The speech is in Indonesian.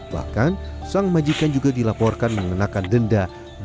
bahkan sang majikan juga dilaporkan mengenakan denda